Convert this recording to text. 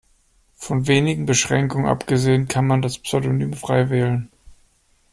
Von wenigen Beschränkungen abgesehen kann man das Pseudonym frei wählen.